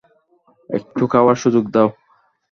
একটু খাওয়ার সুযোগ দাও।